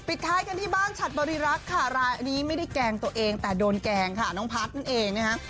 ท้ายกันที่บ้านฉัดบริรักษ์ค่ะรายนี้ไม่ได้แกล้งตัวเองแต่โดนแกล้งค่ะน้องพัฒน์นั่นเองนะคะ